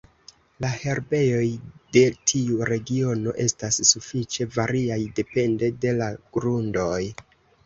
La herbejoj de tiu regiono estas sufiĉe variaj depende de la grundoj.